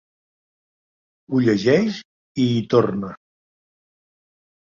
Ho llegeix i hi torna.